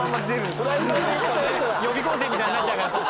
予備校生みたいになっちゃうからさ。